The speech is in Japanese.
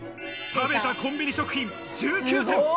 食べたコンビニ食品１９点。